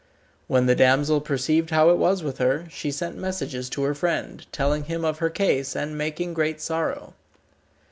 When the damsel perceived how it was with her, she sent messages to her friend, telling him of her case, and making great sorrow.